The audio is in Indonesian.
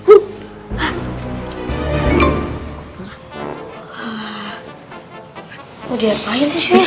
udah ngapain sih